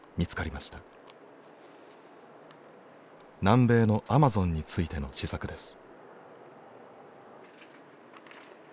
南米のアマゾンについての思索です。